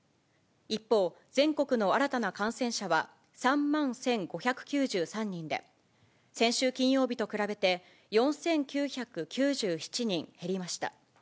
一方、全国の新たな感染者は３万１５９３人で、先週金曜日と比べて４９９７人減りました。